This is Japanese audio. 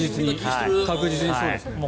確実にそうですね。